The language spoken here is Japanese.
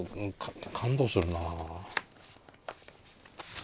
感動するな。